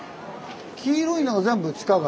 黄色いのが全部地下街？